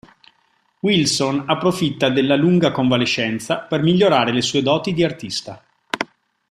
Wilson approfitta della lunga convalescenza per migliorare le sue doti di artista.